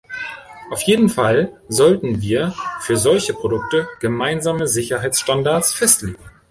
Auf jeden Fall sollten wir für solche Produkte gemeinsame Sicherheitsstandards festlegen.